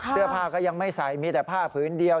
เสื้อผ้าก็ยังไม่ใส่มีแต่ผ้าฝืนเดียว